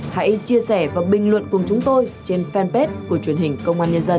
hãy chia sẻ và bình luận cùng chúng tôi trên fanpage của truyền hình công an nhân dân